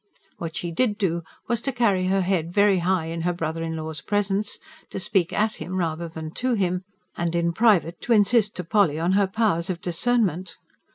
What she did do was to carry her head very high in her brother in law's presence; to speak at him rather than to him; and in private to insist to Polly on her powers of discernment.